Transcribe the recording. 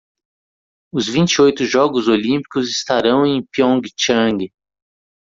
Os vinte e oito Jogos Olímpicos estarão em Pyeongchang.